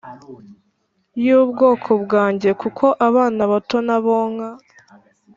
w ubwoko bwanjye Kuko abana bato n abonka